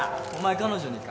彼女にか？